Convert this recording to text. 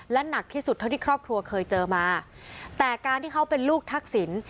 และหนักที่สุดเท่าที่ครอบครัวเคยเจอมาแต่การที่เขาเป็นลูกทักษิณ